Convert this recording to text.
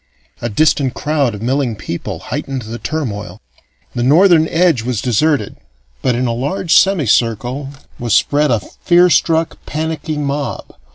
A distant crowd of milling people heightened the turmoil. The northern edge was deserted, but in a large semicircle was spread a fear struck, panicky mob.